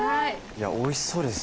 いやおいしそうです